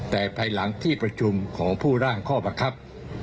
แต่ภายหลังที่ประชุมของผู้ร่างข้อบังคับ